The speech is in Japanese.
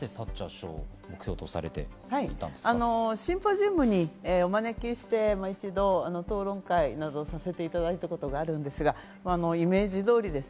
どうしシンポジウムにお招きして一度討論会などをさせていただいたことがあるんですが、イメージ通りです。